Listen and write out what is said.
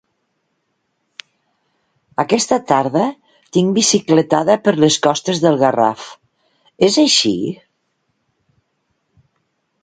Aquesta tarda tinc bicicletada per les costes de Garraf; és així?